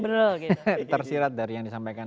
betul tersirat dari yang disampaikan